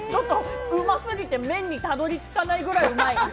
うますぎて、麺にたどりつかないぐらいうまい！